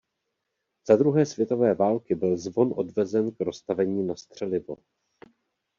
Za druhé světové války byl zvon odvezen k roztavení na střelivo.